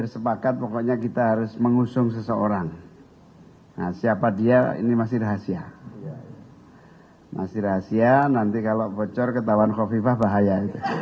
seorang nah siapa dia ini masih rahasia masih rahasia nanti kalau bocor ketahuan hovifah bahaya